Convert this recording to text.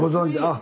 あ！